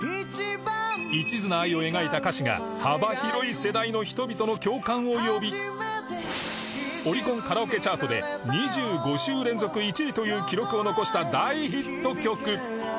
一途な愛を描いた歌詞が幅広い世代の人々の共感を呼びオリコンカラオケチャートで２５週連続１位という記録を残した大ヒット曲